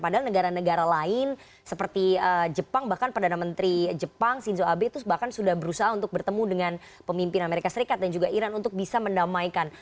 padahal negara negara lain seperti jepang bahkan perdana menteri jepang shinzo abe itu bahkan sudah berusaha untuk bertemu dengan pemimpin amerika serikat dan juga iran untuk bisa mendamaikan